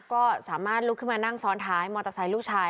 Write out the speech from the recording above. ก็สามารถลุกขึ้นมานั่งซ้อนท้ายมอเตอร์ไซค์ลูกชาย